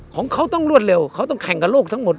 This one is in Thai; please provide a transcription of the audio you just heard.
ของเขาต้องรวดเร็วเขาต้องแข่งกับโลกทั้งหมด